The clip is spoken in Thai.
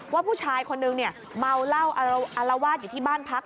ว่าผู้ชายคนนึงเนี่ยเมาเหล้าอารวาสอยู่ที่บ้านพัก